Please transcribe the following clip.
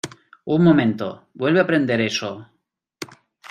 ¡ Un momento! ¡ vuelve a prender eso !